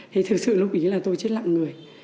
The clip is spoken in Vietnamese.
thì thực sự lúc ý chí là tôi chết lặng người